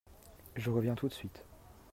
Je reviens tout de suite.